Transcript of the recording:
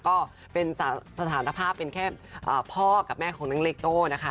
ก็เป็นสถานภาพเป็นแค่พ่อกับแม่ของน้องเล็กโต้นะคะ